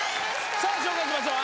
さあ紹介しましょう。